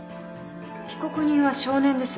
被告人は少年です。